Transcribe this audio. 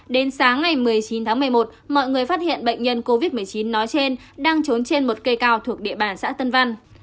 đến sáng ngày một mươi chín tháng một mươi một mọi người phát hiện bệnh nhân covid một mươi chín nói trên đang trốn trên một cây cao thuộc địa bàn xã tân văn